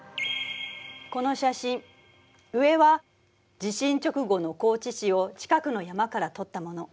この写真上は地震直後の高知市を近くの山から撮ったもの。